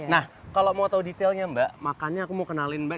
nah kalau mau tahu detailnya mbak makanya aku mau kenalin mbak